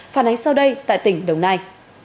phản ánh sau đây tại tỉnh đồng nai